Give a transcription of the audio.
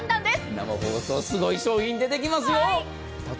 生放送すごい商品、出てきますよ。